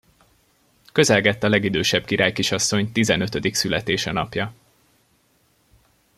Közelgett a legidősebb királykisasszony tizenötödik születése napja.